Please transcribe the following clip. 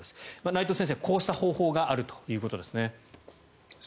内藤先生、こうした方法があるということですね。